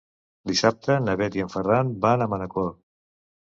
Dissabte na Bet i en Ferran van a Manacor.